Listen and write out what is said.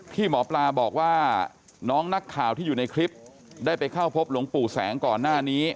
ที่หมอปลาบอกว่าน้องนักข่าวที่อยู่ในคลิปได้ไปเข้าพบหลวงปู่แสงก่อนหน้านี้